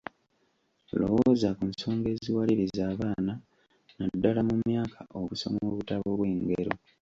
Lowooza ku nsonga eziwaliriza abaana naddala mu myaka okusoma obutabo bw’engero.